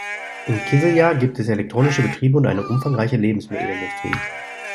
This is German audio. In Kisljar gibt es elektrotechnische Betriebe und eine umfangreiche Lebensmittelindustrie.